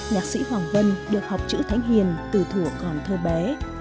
nhạc sĩ hoàng vân được học chữ thánh hiền từ thủa còn thơ bé